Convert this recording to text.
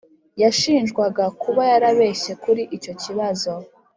yashinjwaga kuba yarabeshye kuri icyo kibazo